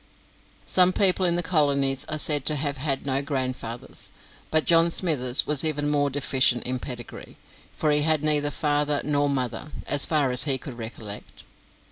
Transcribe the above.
Some people in the colonies are said to have had no grandfathers; but John Smithers was even more deficient in pedigree, for he had neither father nor mother, as far as he could recollect.